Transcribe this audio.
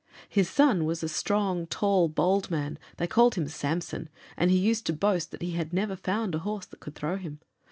His son was a strong, tall, bold man; they called him Samson, and he used to boast that he had never found a horse that could throw him.